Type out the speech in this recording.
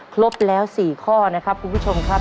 ครบแล้ว๔ข้อนะครับคุณผู้ชมครับ